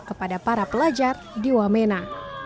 kepada para pelajar di wamena